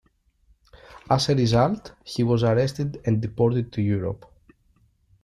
As a result, he was arrested and deported to Europe.